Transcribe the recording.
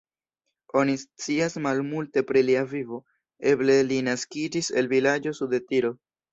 Oni scias malmulte pri lia vivo, eble li naskiĝis el vilaĝo sude Tiro.